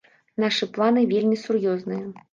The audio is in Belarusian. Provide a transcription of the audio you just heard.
Нашы планы вельмі сур'ёзныя.